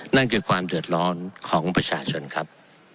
นั่นคือความเดือดร้อนของประชาชนครับ